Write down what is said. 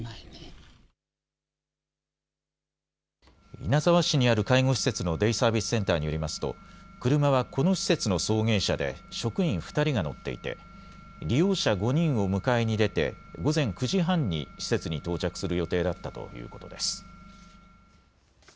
稲沢市にある介護施設のデイサービスセンターによりますと車はこの施設の送迎車で職員２人が乗っていて利用者５人を迎えに出て午前９時半に施設に到着する予定だったということです。